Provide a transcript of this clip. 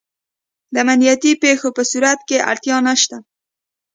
د امنیتي پېښو په صورت کې اړتیا نشته.